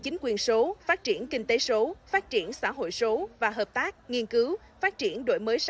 chính quyền số phát triển kinh tế số phát triển xã hội số và hợp tác nghiên cứu phát triển đổi mới